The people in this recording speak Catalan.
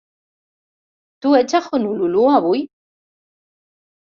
Tu ets a Honolulu, avui?